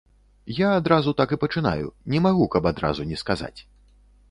Я адразу так і пачынаю, не магу, каб адразу не сказаць.